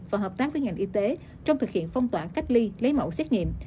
và hợp tác với ngành y tế trong thực hiện phong tỏa cách ly lấy mẫu xét nghiệm